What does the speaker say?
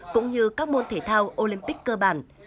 cũng như các môn thể thao olympic cơ bản